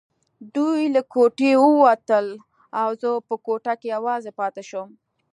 دوی له کوټې ووتل او زه په کوټه کې یوازې پاتې شوم.